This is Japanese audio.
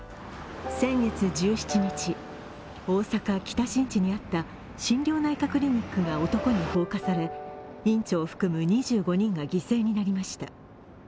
先月１７日、大阪・北新地にあった心療内科クリニックが男に放火され、院長を含む２５人が犠牲になりました。